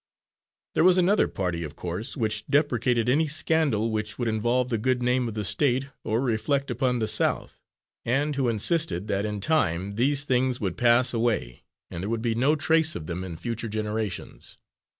There was another party, of course, which deprecated any scandal which would involve the good name of the State or reflect upon the South, and who insisted that in time these things would pass away and there would be no trace of them in future generations.